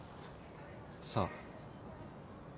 さあ。